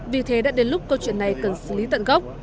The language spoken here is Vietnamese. vì thế đã đến lúc câu chuyện này cần xử lý tận gốc